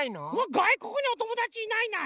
がいこくにおともだちいないいない。